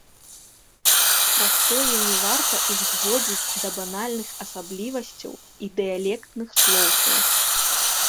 Праз тое не варта іх зводзіць да банальных асаблівасцяў і дыялектных слоўцаў.